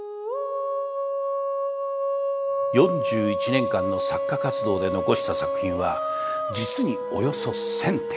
４１年間の作家活動で遺した作品は実におよそ１，０００点。